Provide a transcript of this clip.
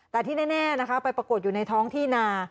แต่ที่แน่นะคะไปปรากฏอยู่ในท้องที่นา